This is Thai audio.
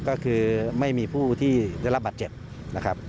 ก็คือไม่มีผู้ที่ได้รับบาดเจ็บนะครับ